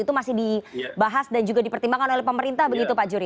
itu masih dibahas dan juga dipertimbangkan oleh pemerintah begitu pak jury